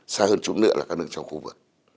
xa hơn chúng nữa là các nước trong khu vực